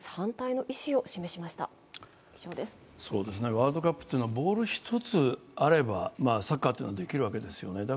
ワールドカップというのはボール１つあればサッカーというのはできるわけですよね。